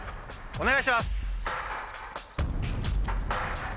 お願いします！